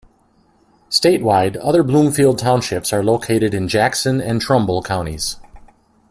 Statewide, other Bloomfield Townships are located in Jackson and Trumbull counties.